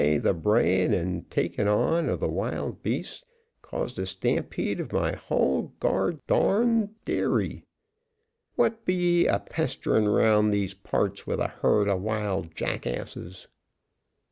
the brayin' and takin's on of the wild beasts caused a stampede of my hull gol darned dairy. What be ye at a pesterin' round these parts with a herd of wild jackasses?"